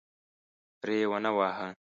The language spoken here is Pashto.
ری ونه واهه.